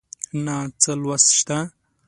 نه څه لوست شته